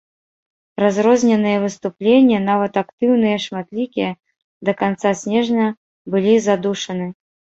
Разрозненыя выступленні, нават актыўныя і шматлікія, да канца снежня былі задушаны.